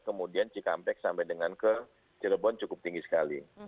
kemudian cikampek sampai dengan ke cirebon cukup tinggi sekali